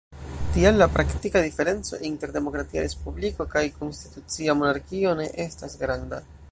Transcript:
Tial, la praktika diferenco inter demokratia respubliko kaj konstitucia monarkio ne estas granda.